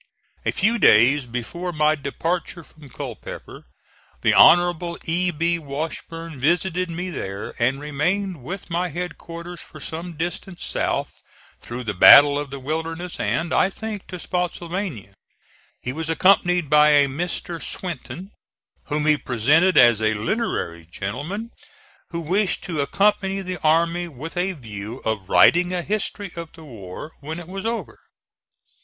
A few days before my departure from Culpeper the Honorable E. B. Washburne visited me there, and remained with my headquarters for some distance south, through the battle in the Wilderness and, I think, to Spottsylvania. He was accompanied by a Mr. Swinton, whom he presented as a literary gentleman who wished to accompany the army with a view of writing a history of the war when it was over.